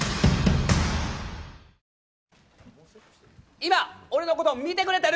今、俺のこと見てくれてる？